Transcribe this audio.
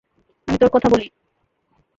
আমি তোর কথা বলি?